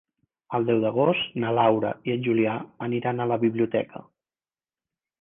El deu d'agost na Laura i en Julià aniran a la biblioteca.